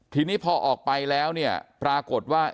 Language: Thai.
ทีนี้พอออกไปแล้วเนี่ยปรากฏว่า